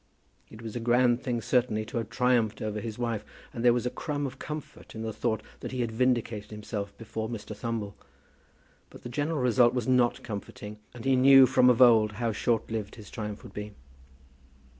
It was a grand thing certainly to have triumphed over his wife, and there was a crumb of comfort in the thought that he had vindicated himself before Mr. Thumble; but the general result was not comforting, and he knew from of old how short lived his triumph would be.